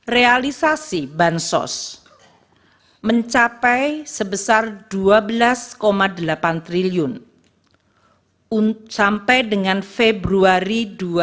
realisasi bansos mencapai sebesar dua belas delapan triliun sampai dengan februari dua ribu dua puluh